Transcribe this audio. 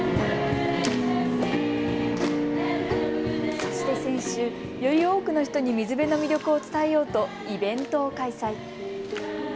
そして先週、より多くの人に水辺の魅力を伝えようとイベントを開催。